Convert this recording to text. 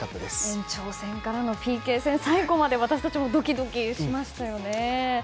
延長戦からのＰＫ戦最後まで私たちもドキドキしましたよね。